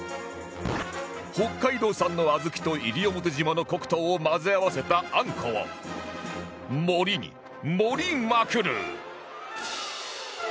北海道産の小豆と西表島の黒糖を混ぜ合わせたあんこを盛りに盛りまくる